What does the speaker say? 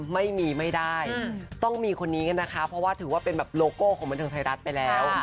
ไม่ได้ต้องมีคนนี้กันนะคะเพราะว่าถือว่าเป็นแบบโลโก้ของบันเทิงไทยรัฐไปแล้ว